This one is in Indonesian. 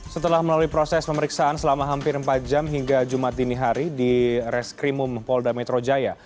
setelah melalui proses pemeriksaan selama hampir empat jam hingga jumat dini hari di reskrimum polda metro jaya